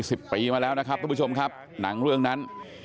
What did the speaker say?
สิบปีมาแล้วนะครับทุกผู้ชมครับหนังเรื่องนั้น